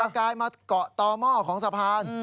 กะเกียจต่างกายมาเกาะต่อหม้อของสะพาน